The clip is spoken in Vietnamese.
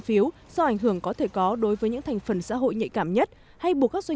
phiếu do ảnh hưởng có thể có đối với những thành phần xã hội nhạy cảm nhất hay buộc các doanh